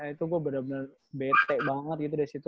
itu gue benar benar bete banget gitu dari situ